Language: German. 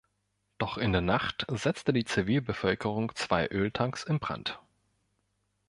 Doch in der Nacht setzte die Zivilbevölkerung zwei Öltanks in Brand.